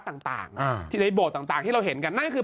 ต่างต่างอ่าทีในโบสถ์ต่างที่เราเห็นกันนั่นก็คือ